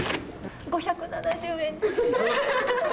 ５７０円。